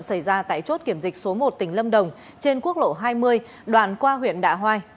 xảy ra tại chốt kiểm dịch số một tỉnh lâm đồng trên quốc lộ hai mươi đoạn qua huyện đạ hoai